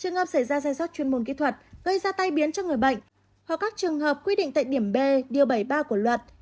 trường hợp xảy ra giai soát chuyên môn kỹ thuật gây ra tai biến cho người bệnh hoặc các trường hợp quy định tại điểm b điều bảy mươi ba của luật